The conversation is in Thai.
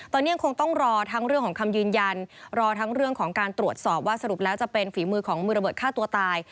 ตอนนี้ยังคงต้องรอทั้งเรื่องของคำยืนยันรอทั้งเรื่องของการตรวจสอบว่าสรุปแล้วจะเป็นฝีมือของมือระเบิดฆ่าตัวตาย